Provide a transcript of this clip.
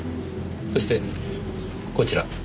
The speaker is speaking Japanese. そしてこちら。